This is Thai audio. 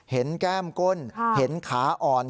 แก้มก้นเห็นขาอ่อน